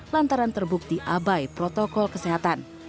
lantaran terbukti abai protokol kesehatan